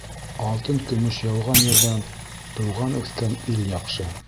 Алтын-көмөш яуған ерҙән тыуған-үҫкән ил яҡшы.